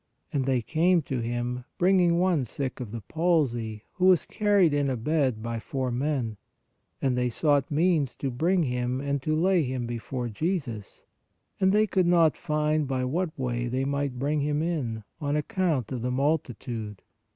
And they came to Him, bringing one sick of the palsy, who was carried in a bed by four men. And they sought means to bring him and to lay him before Jesus. And they could not find by what way they might bring him in, on account of the multitude.